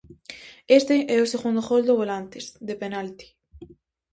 Este é o segundo gol do Volantes, de penalti.